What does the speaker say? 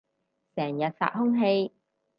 成日殺空氣